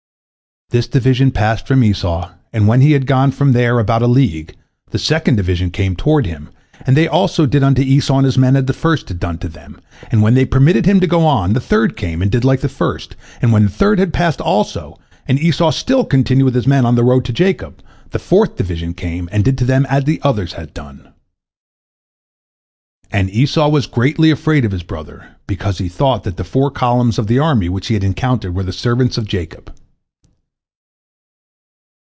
This division passed from Esau, and when he had gone from there about a league, the second division came toward him, and they also did unto Esau and his men as the first had done to them, and when they permitted him to go on, the third came and did like the first, and when the third had passed also, and Esau still continued with his men on the road to Jacob, the fourth division came and did to them as the others had done. And Esau was greatly afraid of his brother, because he thought that the four columns of the army which he had encountered were the servants of Jacob.